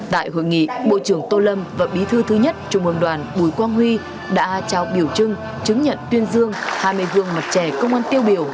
tại hội nghị bộ trưởng tô lâm và bí thư thứ nhất trung ương đoàn bùi quang huy đã trao biểu trưng chứng nhận tuyên dương hai mươi gương mặt trẻ công an tiêu biểu